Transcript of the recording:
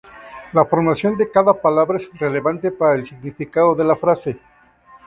La formación de cada palabra es relevante para el significado de la frase.